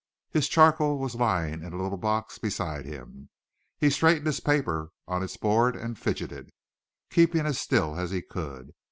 His charcoal was lying in a little box beside him. He straightened his paper on its board and fidgeted, keeping as still as he could.